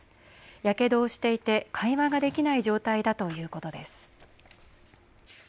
やけどをしていて会話ができない状態だということです。